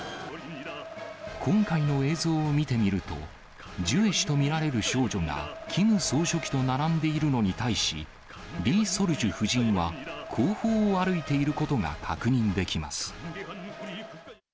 今回の映像を見てみると、ジュエ氏と見られる少女がキム総書記と並んでいるのに対し、リ・ソルジュ夫人は後方を歩いていることが確認できます。